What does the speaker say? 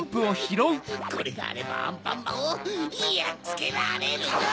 これがあればアンパンマンをやっつけられるぞ！